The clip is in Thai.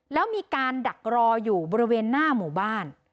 แล้วมีการดักรออยู่บริเวณหน้าหมู่บ้าน